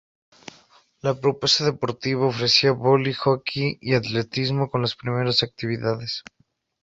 La propuesta deportiva ofrecía vóley, hockey y atletismo como las primeras actividades.